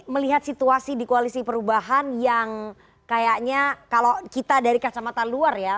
melihat situasi di koalisi perubahan yang kayaknya kalau kita dari kacamata luar ya